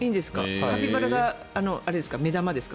カピバラが目玉ですか？